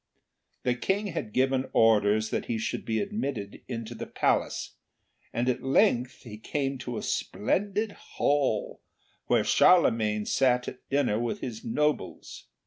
The King had given orders that he should be admitted into the Palace, and at length he came to a splendid hall, where Charlemagne sat at dinner with his nobles.